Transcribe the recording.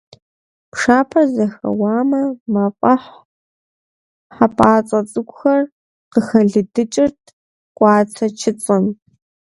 Пшапэр зэхэуамэ, мафӀэхь хьэпӀацӀэ цӀыкӀухэр къыхэлыдыкӀырт къуацэ-чыцэм.